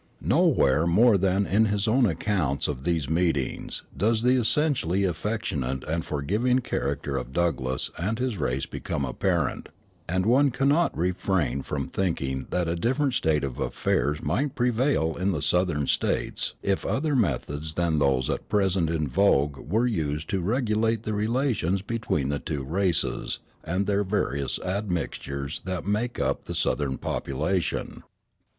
Nowhere more than in his own accounts of these meetings does the essentially affectionate and forgiving character of Douglass and his race become apparent, and one cannot refrain from thinking that a different state of affairs might prevail in the Southern States if other methods than those at present in vogue were used to regulate the relations between the two races and their various admixtures that make up the Southern population.